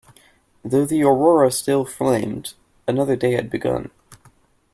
Though the aurora still flamed, another day had begun.